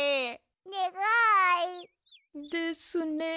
にがい！ですね。